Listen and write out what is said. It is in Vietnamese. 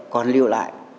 còn lưu lại